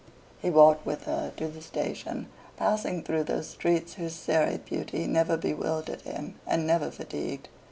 He walked with her to the station, passing through those streets whose serried beauty never bewildered him and never fatigued.